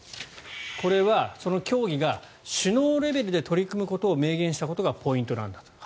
これは、協議が首脳レベルで取り組むことを明言したことがポイントなんだと。